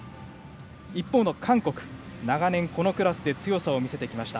一方、韓国は長年このクラスで強さを見せてきました。